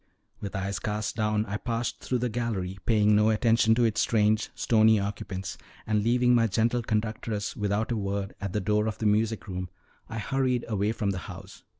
With eyes cast down I passed through the gallery, paying no attention to its strange, stony occupants; and leaving my gentle conductress without a word at the door of the music room, I hurried away from the house.